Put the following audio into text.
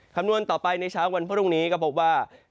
คำนวณต่อไปในเช้าวันพรุ่งนี้ก็พบว่า